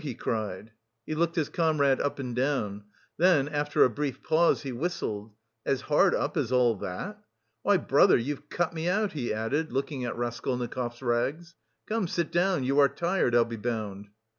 he cried. He looked his comrade up and down; then after a brief pause, he whistled. "As hard up as all that! Why, brother, you've cut me out!" he added, looking at Raskolnikov's rags. "Come sit down, you are tired, I'll be bound."